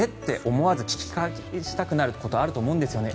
思わず聞き返したくなることあると思うんですよね。